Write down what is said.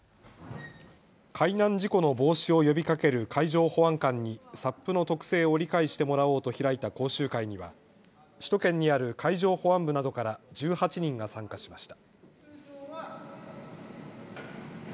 海難事故の防止を呼びかける海上保安官にＳＵＰの特性を理解してもらおうと開いた講習会には首都圏にある海上保安部などから１８人が参加しました。